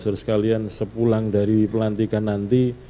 saudara sekalian sepulang dari pelantikan nanti